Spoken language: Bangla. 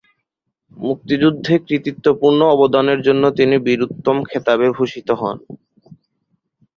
মুক্তিযুদ্ধে কৃতিত্বপূর্ণ অবদানের জন্য তিনি বীর উত্তম খেতাবে ভূষিত হন।